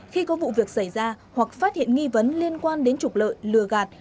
khi có vụ việc xảy ra hoặc phát hiện nghi vấn liên quan đến trục lợi lừa gạt